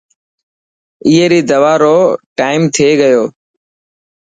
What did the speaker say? اي ري دوا رو ٽائيمٿي گيو.